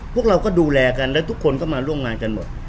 พวกเราก็ดูแลกันและทุกคนก็มาร่วมงานกันหมด